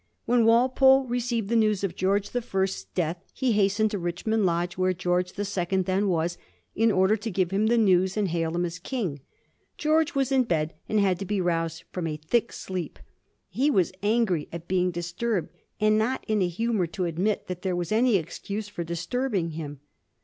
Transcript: When Walpole received the news of George the First's death Digiti zed by Google 360 A HISTORY OF THE FOUR GEORGES, ch. xvin. he hastened to Richmond Lodge, where G^rge the Second then was, in order to give him the news and hail him as King. George was in bed, and had to be roused from a thick sleep. He was angry at being disturbed, and not in a humour to admit that there was any excuse for disturbing him.